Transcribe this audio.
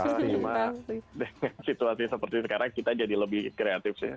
cuma dengan situasi seperti sekarang kita jadi lebih kreatif sih